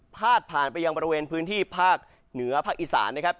พาดผ่านไปยังบริเวณพื้นที่ภาคเหนือภาคอีสานนะครับ